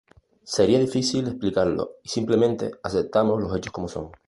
Sería difícil explicarlo, y simplemente aceptamos los hechos como son".